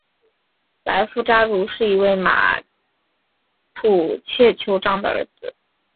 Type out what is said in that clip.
莱夫扎茹是一位马普切酋长的儿子。